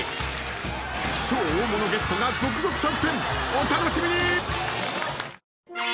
［お楽しみに！］